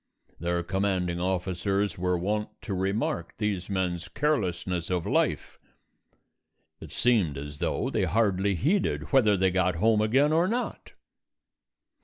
Their commanding officers were wont to remark these men's carelessness of life. It seemed as though they hardly heeded whether they got home again or not.